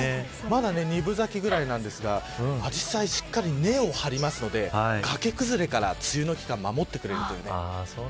まだ２分咲きぐらいなんですがアジサイしっかり根を張りますので崖崩れから、梅雨の季節は守ってくれます。